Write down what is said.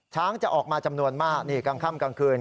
ช้างจะออกมาจำนวนมากนี่กลางค่ำกลางคืน